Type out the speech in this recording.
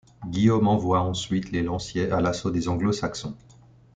Guillaume envoie ensuite les lanciers à l'assaut des Anglo-Saxons.